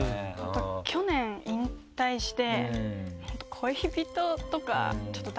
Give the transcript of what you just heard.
去年引退して。